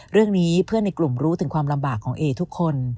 เรื่องนี้เพื่อนในกลุ่มรู้ถึงความลำบากของเอทุกคน